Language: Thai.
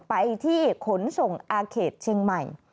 ไปที่ขนส่งอาเขตเชียงใหม่